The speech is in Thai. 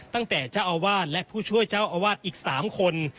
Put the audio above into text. ตั้งแต่เจ้าอาวาสและผู้ช่วยเจ้าอาวาสอีก๓คน